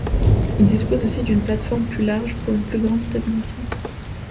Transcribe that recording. Il dispose aussi d'une plateforme plus large, pour une plus grande stabilité.